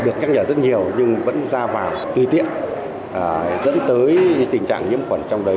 được nhắc nhở rất nhiều nhưng vẫn ra vào tùy tiện dẫn tới tình trạng nhiễm khuẩn trong đấy